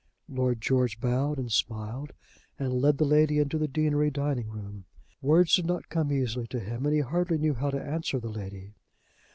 Lord George bowed and smiled, and led the lady into the deanery dining room. Words did not come easily to him, and he hardly knew how to answer the lady.